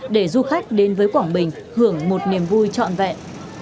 để du khách đến với quảng bình hưởng một niềm vui trọn vẹn